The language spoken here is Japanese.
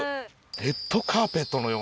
レッドカーペットのような。